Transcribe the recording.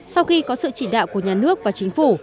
sau khi có sự chỉ đạo của nhà nước và chính phủ